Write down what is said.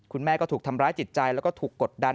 คุณแม่ก็ถูกทำร้ายจิตใจแล้วก็ถูกกดดัน